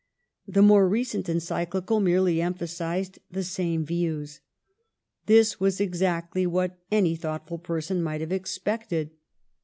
The more recent Encyclical merely emphasized the same views. This was exactly what any thought ful person might have expected.